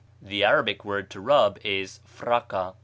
The Arabic word to rub is fraka.